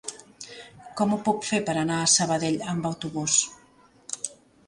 Com ho puc fer per anar a Sabadell amb autobús?